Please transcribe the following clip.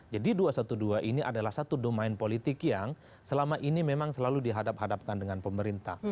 jadi dua ratus dua belas ini adalah satu domain politik yang selama ini memang selalu dihadap hadapkan dengan pemerintah